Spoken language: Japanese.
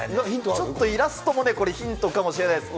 ちょっとイラストもこれヒントかもしれないです。